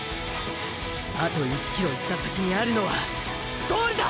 あと１ｋｍ行った先にあるのはゴールだ！！